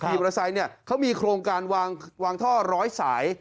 ขี่มอเตอร์ไซส์เขามีโครงการวางท่อร้อยสาย